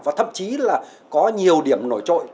và thậm chí là có nhiều điểm nổi trội